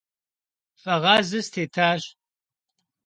Фэгъазэ стетащ.